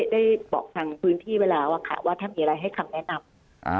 ได้บอกทางพื้นที่ไว้แล้วอะค่ะว่าถ้ามีอะไรให้คำแนะนำ